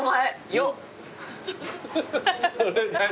よっ。